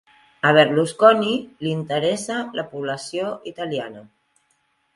A Berlusconi li interessa la població italiana.